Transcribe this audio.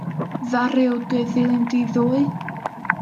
Ddaru o dy ddilyn di ddoe?